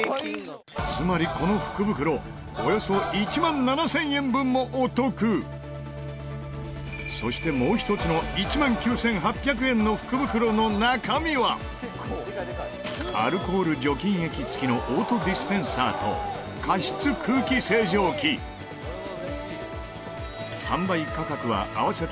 つまり、この福袋およそ１万７０００円分もお得そして、もう１つの１万９８００円の福袋の中身はアルコール除菌液付きのオートディスペンサーと加湿空気清浄機玉森：これはうれしい。